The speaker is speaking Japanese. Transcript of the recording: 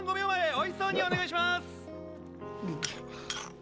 おいしそうにお願いしまーす！